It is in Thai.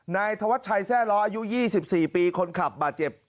นายธวัชชัยแทร่ล้ออายุ๒๔ปีคนขับบาดเจ็บ